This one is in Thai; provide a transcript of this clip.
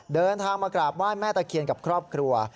เดินทางมากราบไหว้แม่ตะเคียนกับครอบครัว